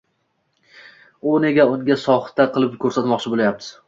U nega unda soxta qilib ko’rsatmoqchi bo’lyapti?